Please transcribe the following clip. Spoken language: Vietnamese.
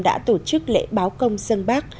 đã tổ chức lễ báo công dân bác